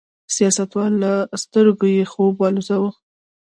سیاستوالو له سترګو یې خوب والوځاوه.